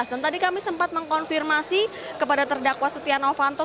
dan tadi kami sempat mengkonfirmasi kepada terdakwa setia novanto